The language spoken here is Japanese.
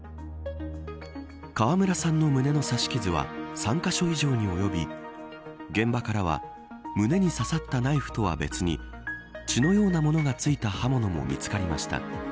川村さんの胸の刺し傷は３カ所以上に及び現場からは胸に刺さったナイフとは別に血のようなものがついた刃物も見つかりました。